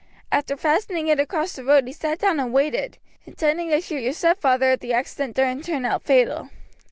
After fastening it across the road he sat down and waited, intending to shoot your stepfather if the accident didn't turn out fatal.